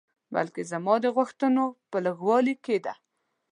بلکې زما د غوښتنو په لږوالي کې ده.